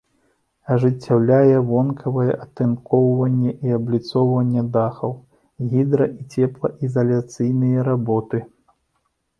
Ажыццяўляе вонкавае атынкоўванне і абліцоўванне дахаў, гідра- і цеплаізаляцыйныя работы.